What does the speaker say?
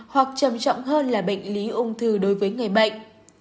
hoặc trầm trọng hơn là bệnh lý ung thư đối với người bệnh